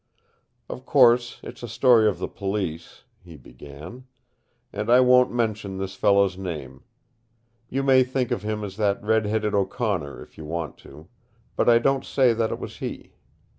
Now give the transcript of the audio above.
"Of course, it's a story of the Police," he began. "And I won't mention this fellow's name. You may think of him as that red headed O'Connor, if you want to. But I don't say that it was he.